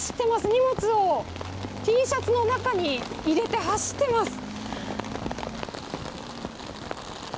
荷物をＴシャツの中に入れて走っています。